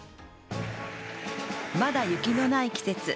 まだ雪のない季節。